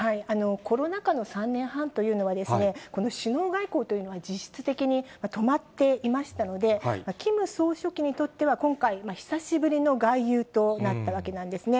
コロナ禍の３年半というのは、この首脳外交というのは、実質的に止まっていましたので、キム総書記にとっては今回、久しぶりの外遊となったわけなんですね。